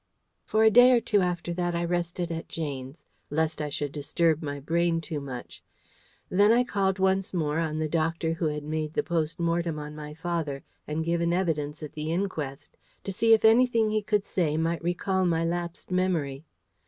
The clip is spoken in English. For a day or two after that I rested at Jane's, lest I should disturb my brain too much. Then I called once more on the doctor who had made the post mortem on my father, and given evidence at the inquest, to see if anything he could say might recall my lapsed memory.